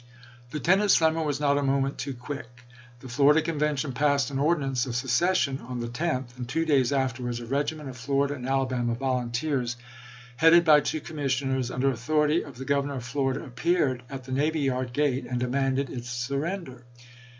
Lieutenant Slemmer was not a moment too quick. The Florida Convention passed an ordi nance of secession on the 10th, and two days afterwards a regiment of Florida and Alabama volunteers, headed by two commissioners, under authority of the Governor of Florida, appeared at the navy yard gate and demanded its surrender.